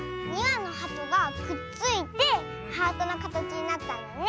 ２わのハトがくっついてハートのかたちになったんだね。